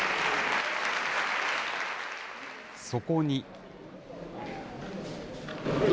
そこに。